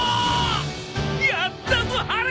やったぞハル！